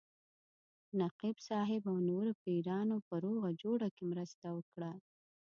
نقیب صاحب او نورو پیرانو په روغه جوړه کې مرسته وکړه.